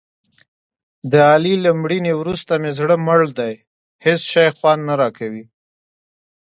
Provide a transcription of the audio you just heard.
د علي له مړینې ورسته مې زړه مړ دی. هېڅ شی خوند نه راکوي.